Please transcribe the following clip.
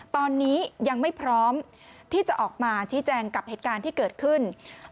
ตอนนี้ยังไม่พร้อมที่จะออกมาชี้แจงกับเหตุการณ์ที่เกิดขึ้น